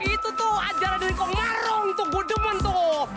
itu tuh ajaran dari kong maro untuk gua demen tuh